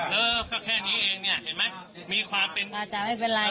แล้วก็แค่นี้เองเนี้ยเห็นมั้ยมีความเป็นอ่าแต่ไม่เป็นไร